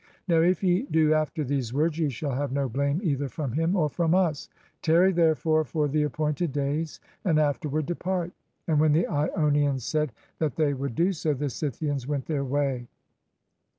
Now if ye do after these words ye shall have no blame either from him or from us. Tarry therefore for the appointed days and after ward depart." And when the lonians said that they would do so the Scythians went their way.